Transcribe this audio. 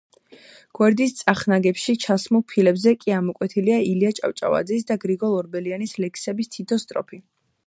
გვერდის წახნაგებში ჩასმულ ფილებზე კი ამოკვეთილია ილია ჭავჭავაძის და გრიგოლ ორბელიანის ლექსების თითო სტროფი.